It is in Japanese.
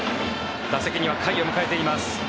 打席には甲斐を迎えています。